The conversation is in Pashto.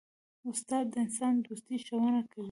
استاد د انسان دوستي ښوونه کوي.